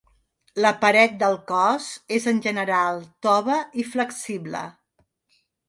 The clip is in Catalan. La paret del cos és en general tova i flexible.